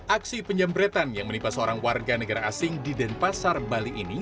aksi penyembretan yang menimpa seorang warga negara asing di denpasar bali ini